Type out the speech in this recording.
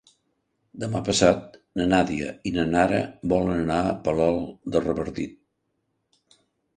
Demà passat na Nàdia i na Nara volen anar a Palol de Revardit.